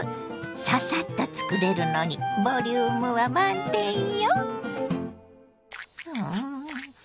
ササッと作れるのにボリュームは満点よ。